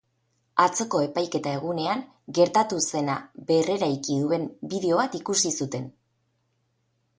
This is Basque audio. Atzoko epaiketa egunean, gertatu zena berreraiki duen bideo bat ikusi zuten.